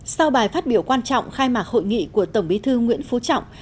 sau bài phát biểu quan trọng khai mạc hội nghị của tổng bí thư nguyễn phú trọng